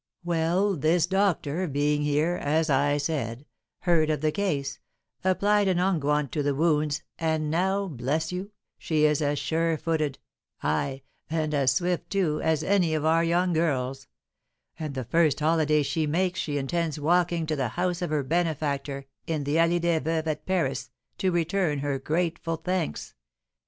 Well, this doctor, being here, as I said, heard of the case, applied an unguent to the wounds, and now, bless you, she is as surefooted, ay, and as swift, too, as any of our young girls; and the first holiday she makes she intends walking to the house of her benefactor, in the Allée des Veuves, at Paris, to return her grateful thanks.